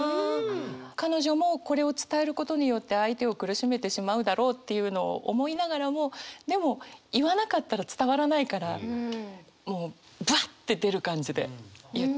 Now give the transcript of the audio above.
彼女もこれを伝えることによって相手を苦しめてしまうだろうっていうのを思いながらもでも言わなかったら伝わらないからもうぶわって出る感じで言ったっていう。